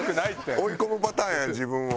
追い込むパターンやん自分を。